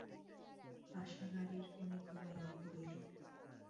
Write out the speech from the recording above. আশা গাড়ির কোণে ঘুমাইয়া পড়িল।